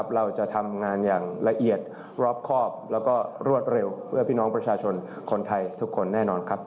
เราจะทำงานอย่างละเอียดรอบครอบแล้วก็รวดเร็วเพื่อพี่น้องประชาชนคนไทยทุกคนแน่นอนครับ